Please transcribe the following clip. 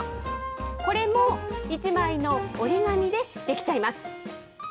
これも１枚の折り紙で出来ちゃいます。